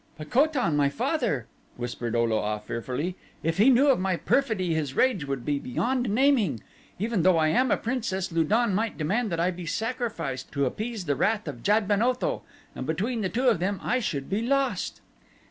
"But Ko tan, my father," whispered O lo a fearfully, "if he knew of my perfidy his rage would be beyond naming. Even though I am a princess Lu don might demand that I be sacrificed to appease the wrath of Jad ben Otho, and between the two of them I should be lost."